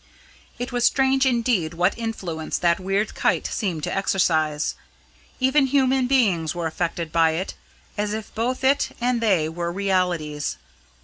It was strange indeed what influence that weird kite seemed to exercise. Even human beings were affected by it, as if both it and they were realities.